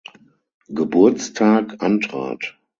Geburtstag antrat.